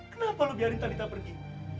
kenapa lo biarin talitha pergi